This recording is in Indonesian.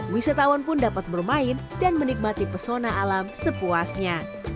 wisatawan pun dapat bermain dan menikmati pesona alam sepuasnya